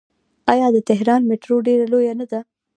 آیا د تهران میټرو ډیره لویه نه ده؟